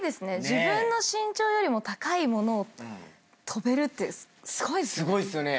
自分の身長よりも高いものを跳べるってすごいですね。